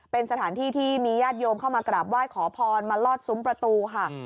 เป็นสถานที่ที่มีญาติโยมเข้ามากราบไหว้ขอพรมาลอดซุ้มประตูค่ะ